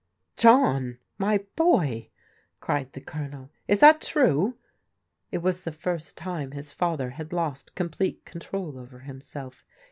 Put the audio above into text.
"John, my boy!" cried the Colonel, "is that true?" It was the first time his father had lost complete control over himself.